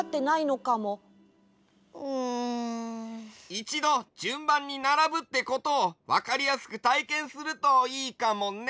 いちどじゅんばんにならぶってことをわかりやすくたいけんするといいかもね。